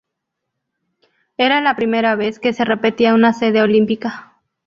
Era la primera vez que se repetía una sede Olímpica.